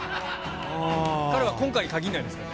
彼は今回に限んないですからね。